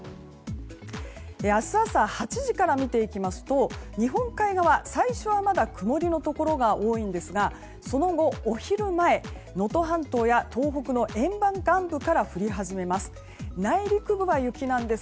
明日朝８時から見ていきますと日本海側、最初はまだ曇りのところが多いんですがその後、お昼前能登半島や東北の沿岸部から降り始めます。